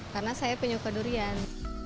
karena saya penyuka durian